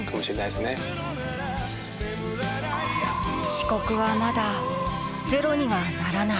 遅刻はまだゼロにはならない